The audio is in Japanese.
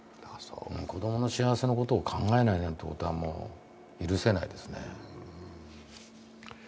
子供の幸せのことを考えないなんてことは許せないですね。